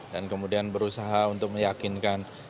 dan kemudian berusaha untuk meyakinkan